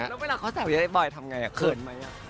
แล้วเวลาเขาแซวไอ้บอยทำไงเขินไหม